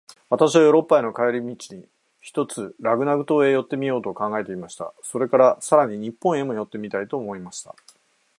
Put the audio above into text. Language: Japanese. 私はヨーロッパへの帰り途に、ひとつラグナグ島へ寄ってみようと考えていました。それから、さらに日本へも寄ってみたいと思いました。